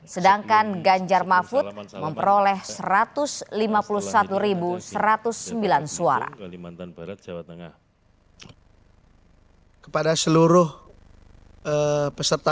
sedangkan ganjar mafud memperoleh tujuh suara